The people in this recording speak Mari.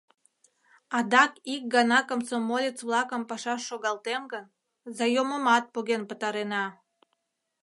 Адак ик гана комсомолец-влакым пашаш шогалтем гын, заёмымат поген пытарена.